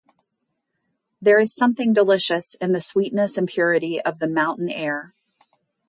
There is something delicious in the sweetness and purity of the mountain air.